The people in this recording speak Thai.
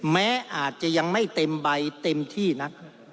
แม้อาจจะยังไม่เต็มใบเต็มที่นัก